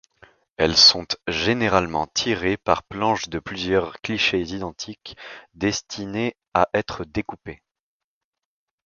Elles sont généralement tirées par planches de plusieurs clichés identiques, destinées à être découpées.